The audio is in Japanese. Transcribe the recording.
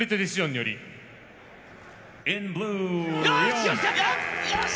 よし！